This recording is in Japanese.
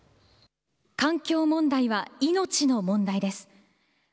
環境問題は命の問題です。